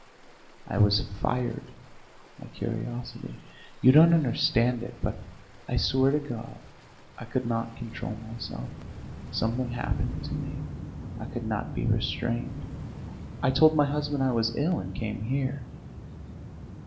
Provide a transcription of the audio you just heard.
I was fired by curiosity ... you don't understand it, but, I swear to God, I could not control myself; something happened to me: I could not be restrained. I told my husband I was ill, and came here....